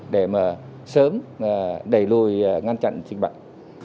để mà sớm đẩy lùi ngăn chặn dịch bệnh